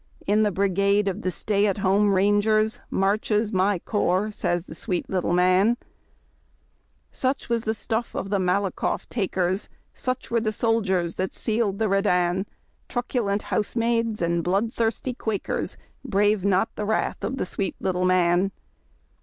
In the brigade of the Stay at home Rangers Marches my corps, says the sweet little man. 28 HARD TACK AND COFFEE. Such was the stuff of the Malakoff takers, Such were the soldiers that scaled the Redan; Truculent housemaids and bloodthirsty Quakers Brave not the wrath of the sweet little man!